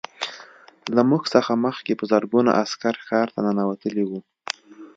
له موږ څخه مخکې په زرګونه عسکر ښار ته ننوتلي وو